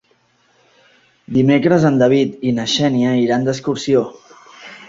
Dimecres en David i na Xènia iran d'excursió.